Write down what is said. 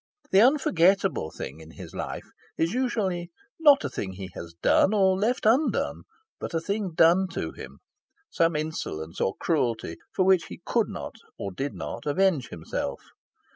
The unforgettable thing in his life is usually not a thing he has done or left undone, but a thing done to him some insolence or cruelty for which he could not, or did not, avenge himself.